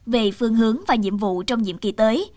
về phương hướng và nhiệm vụ trong nhiệm kỳ tới